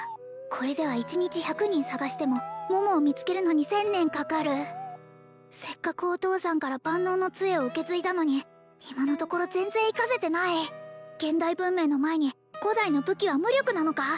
これでは一日１００人探しても桃を見つけるのに１０００年かかるせっかくお父さんから万能の杖を受け継いだのに今のところ全然生かせてない現代文明の前に古代の武器は無力なのか！？